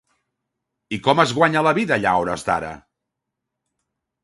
I com es guanya la vida allà a hores d'ara?